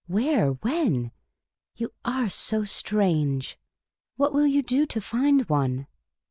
" Where ? When ? You are so strange ! What will you do to find one